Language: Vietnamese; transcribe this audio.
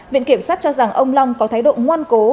viện kiểm sát cho rằng ông long có thái độ ngoan cố